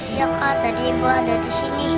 iya kak tadi ibu ada disini